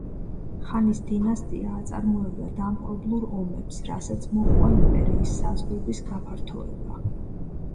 ხანის დინასტია აწარმოებდა დამპყრობლურ ომებს, რასაც მოჰყვა იმპერიის საზღვრების გაფართოება.